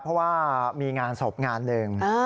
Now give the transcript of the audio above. เพราะว่ามีงานศพงานหนึ่ง